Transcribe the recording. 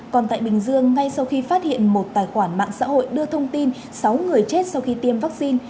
còn tại bình dương ngay sau khi phát hiện một tài khoản mạng xã hội đưa thông tin sáu người chết sau khi tiêm vaccine